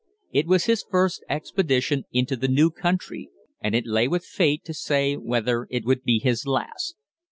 It was his first expedition into the new country, and it lay with fate to say whether it would be his last.